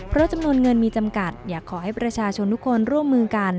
เพราะจำนวนเงินมีจำกัดอยากขอให้ประชาชนทุกคนร่วมมือกัน